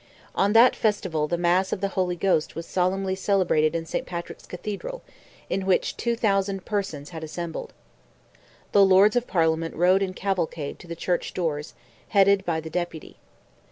On that festival the Mass of the Holy Ghost was solemnly celebrated in St. Patrick's Cathedral, in which "two thousand persons" had assembled. The Lords of Parliament rode in cavalcade to the Church doors, headed by the Deputy.